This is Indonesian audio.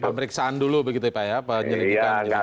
pemeriksaan dulu begitu ya pak ya penyelidikan